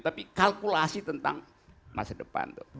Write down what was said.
tapi kalkulasi tentang masa depan